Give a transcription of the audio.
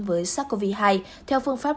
với sars cov hai theo phương pháp